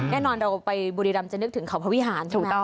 แน่นอนเราไปบุรีรำจะนึกถึงเขาภาวิหารใช่ไหม